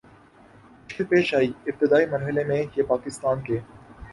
مشکل پیش آئی ابتدائی مر حلے میں یہ پاکستان کے